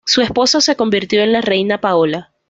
Su esposa se convirtió en la reina Paola.